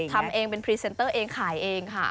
ทำเองเป็นพรีเซนเตอร์เองขายเองค่ะ